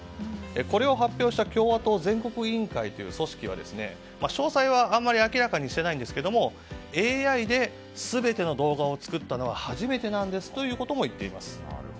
これを発表した共和党全国委員会という組織は詳細はあまり明らかにしていないんですがＡＩで全ての動画を作ったのは初めてなんですということも言っていました。